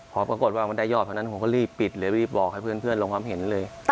พอปรากฏว่ามันได้ยอดเท่านั้นผมก็รีบปิดเลยรีบบอกให้เพื่อนลงความเห็นเลย